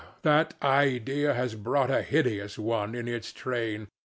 that idea has brought a hideous one in its train.